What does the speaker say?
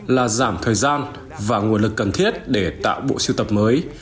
là giảm thời gian và nguồn lực cần thiết để tạo bộ siêu tập mới